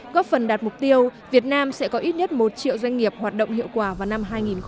góp phần đạt mục tiêu việt nam sẽ có ít nhất một triệu doanh nghiệp hoạt động hiệu quả vào năm hai nghìn hai mươi